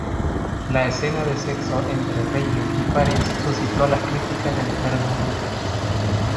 La escena de sexo entre Rogen y Faris suscitó las críticas de diversos grupos.